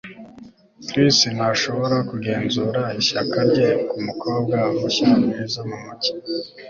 chris ntashobora kugenzura ishyaka rye kumukobwa mushya mwiza mumujyi